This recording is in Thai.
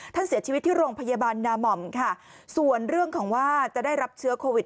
เสียชีวิตที่โรงพยาบาลนาม่อมค่ะส่วนเรื่องของว่าจะได้รับเชื้อโควิด